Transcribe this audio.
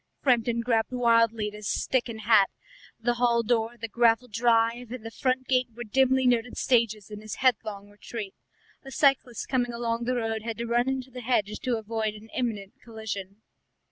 Framton grabbed wildly at his stick and hat; the hall door, the gravel drive, and the front gate were dimly noted stages in his headlong retreat. A cyclist coming along the road had to run into the hedge to avoid an imminent collision.